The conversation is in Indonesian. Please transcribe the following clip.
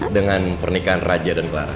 dengan pernikahan raja dan clara